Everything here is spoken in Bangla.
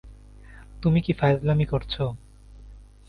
তুমি কি ফাইজলামি করছ?